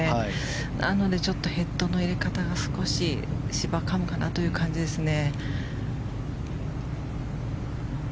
なので、ヘッドの入れ方が少し芝をかむかなという感じですね。